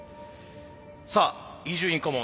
さあ伊集院顧問